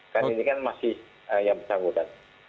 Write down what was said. karena ini kan masih yang bersanggupan